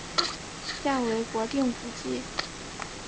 现为国定古迹。